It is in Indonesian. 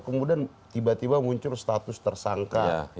kemudian tiba tiba muncul status tersangka